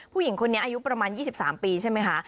ผู้หญิงคนนี้อายุประมาณ๒๓ปีใช่ไหมคะ